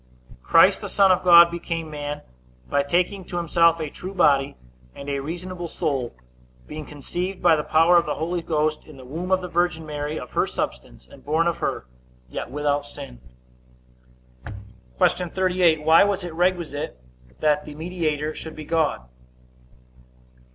Christ the Son of God became man, by taking to himself a true body, and a reasonable soul, being conceived by the power of the Holy Ghost in the womb of the virgin Mary, of her substance, and born of her, yet without sin. Q. 38. Why was it requisite that the mediator should be God?